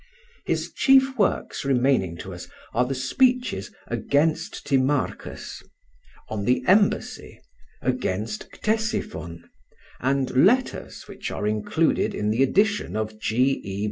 His chief works remaining to us are the speeches 'Against Timarchus,' 'On the Embassy,' 'Against Ctesiphon,' and letters, which are included in the edition of G.E.